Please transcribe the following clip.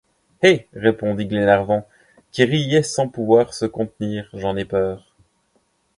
Eh! répondit Glenarvan, qui riait sans pouvoir se contenir, j’en ai peur.